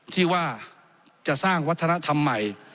ที่ว่าจะสร้างวัฒนธรรมใหม่